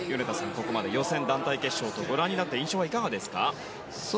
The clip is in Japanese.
ここまで予選、団体決勝とご覧になって印象はいかがですか？